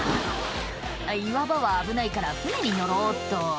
「岩場は危ないから船に乗ろうっと」